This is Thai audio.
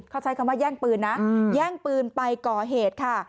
เขาใช้คำว่าแย่งปืนนะแย่งปืนไปก่อเหตุค่ะ